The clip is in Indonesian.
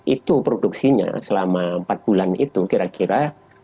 itu produksinya selama empat bulan itu kira kira